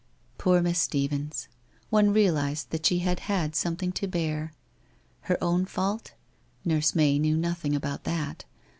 Poor Miss Stephens, one realized that she had had something to bear! Her own fault? Nurse May knew nothing about that.